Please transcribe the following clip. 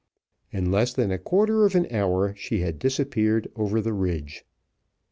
In less than a quarter of an hour she had disappeared over the ridge.